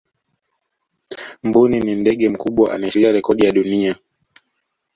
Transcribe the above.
mbuni ni ndege mkubwa anayeshikilia rekodi ya dunia